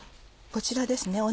こちらですね